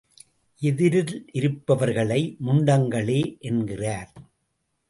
எதிரிலிருப்பவர்களை முண்டங்களே என்கிறார்.